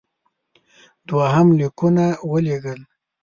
دوهم لیکونه ولېږل.